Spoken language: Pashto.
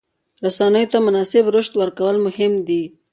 رسنیو ته مناسب رشد ورکول مهم دي.